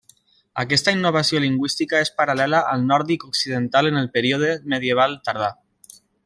Aquesta innovació lingüística és paral·lela al nòrdic occidental en el període Medieval tardà.